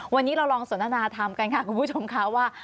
วันนี้เราลองสนทนาธรรมกันค่ะคุณผู้ชมค่ะว่า